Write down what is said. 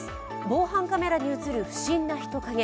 防犯カメラに映る不審な人影。